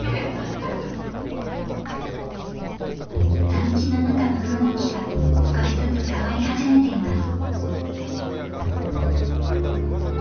団地の中の雰囲気が少しずつ変わり始めています。